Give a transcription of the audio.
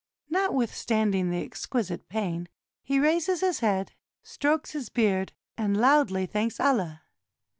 Notwith standing the exquisite pain, he raises his head, strokes his beard, and loudly thanks Allah.